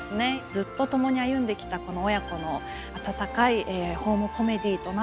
ずっと共に歩んできたこの親子の温かいホームコメディーとなってます。